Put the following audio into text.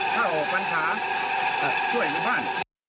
ถ้าออกพรรษาช่วยในบ้าน